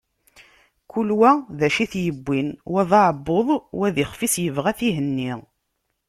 Kul wa acu i t-yewwin, wa d aɛebbuḍ, wa d ixef-is yebɣa ad t-ihenni.